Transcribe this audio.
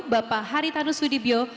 bapak haritanu sudibyo